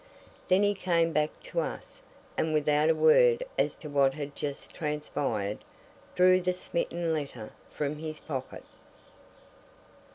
Then he came back to us, and without a word as to what had just transpired, drew the Smeaton letter from his pocket.